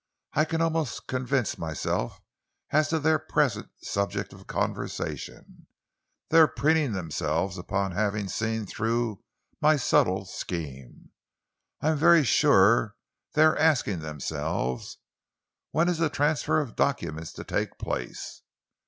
I can almost convince myself as to their present subject of conversation. They are preening themselves upon having seen through my subtle scheme. I am very sure they are asking themselves 'When is the transfer of documents to take place?'"